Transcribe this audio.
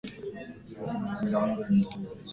Ka letsatsi le lengwe re tlile go seka.